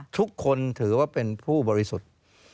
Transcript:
ทุกคนถือว่าเป็นผู้บริสุทธิ์